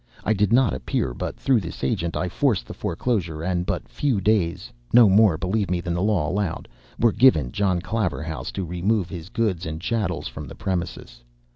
I did not appear but through this agent I forced the foreclosure, and but few days (no more, believe me, than the law allowed) were given John Claverhouse to remove his goods and chattels from the premises.